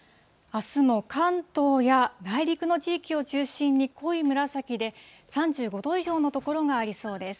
あすも関東や内陸の地域を中心に濃い紫で、３５度以上の所がありそうです。